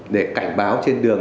để cảnh báo trên đường